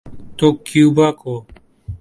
تو کیوبا کو۔